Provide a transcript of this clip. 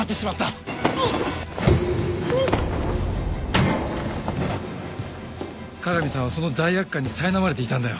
うわ加賀美さんはその罪悪感にさいなまれていたんだよ。